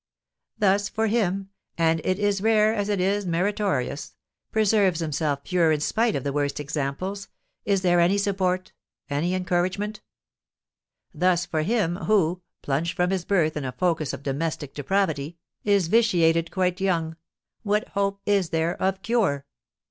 Thus for him who (and it is as rare as it is meritorious) preserves himself pure in spite of the worst examples, is there any support, any encouragement? Thus for him who, plunged from his birth in a focus of domestic depravity, is vitiated quite young, what hope is there of cure?